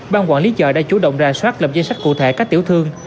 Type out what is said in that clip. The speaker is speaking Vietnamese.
ban quản lý chợ đã chủ động ra soát lập danh sách cụ thể các tiểu thương